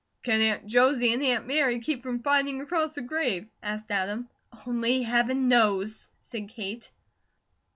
"Can Aunt Josie and Aunt Mary keep from fighting across the grave?" asked Adam. "Only Heaven knows," said Kate.